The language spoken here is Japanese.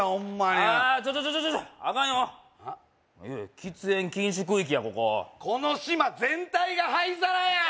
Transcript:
いやいや喫煙禁止区域やこここの島全体が灰皿や！